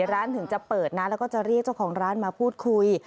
ถึงจะเปิดนะแล้วก็จะเรียกเจ้าของร้านมาพูดคุย